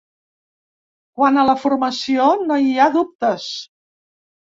Quant a la formació, no hi ha dubtes.